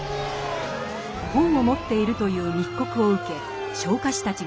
本を持っているという密告を受け昇火士たちが急行。